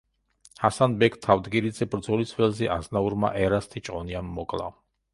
ჰასან-ბეგ თავდგირიძე ბრძოლის ველზე აზნაურმა ერასტი ჭყონიამ მოკლა.